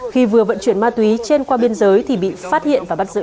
khi vừa vận chuyển ma túy trên qua biên giới thì bị phát hiện và bắt giữ